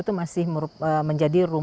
itu masih menjadi